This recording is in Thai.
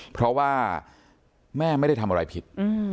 เพราะว่าแม่ไม่ได้ทำอะไรผิด